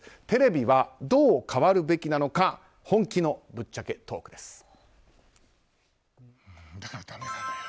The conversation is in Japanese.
テレビはどう変わるべきなのか本気のぶっちゃけトークです。